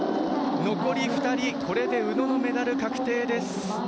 残り２人、これで宇野のメダル確定です。